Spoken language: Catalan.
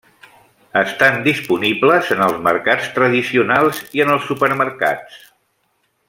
Estan disponibles en els mercats tradicionals i en els supermercats.